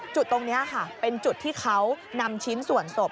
จุดตรงนี้ค่ะเป็นจุดที่เขานำชิ้นส่วนศพ